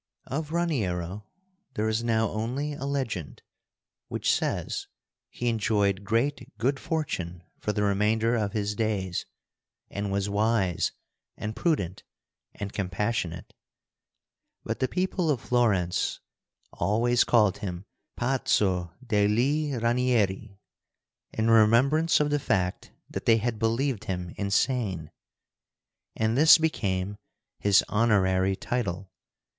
Of Raniero there is now only a legend, which says he enjoyed great good fortune for the remainder of his days, and was wise, and prudent, and compassionate. But the people of Florence always called him Pazzo degli Ranieri, in remembrance of the fact that they had believed him insane. And this became his honorary title.